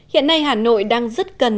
hiện nay hà nội đang rất cần